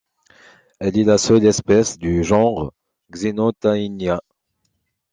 Elle est la seule espèce du genre Xenotaenia.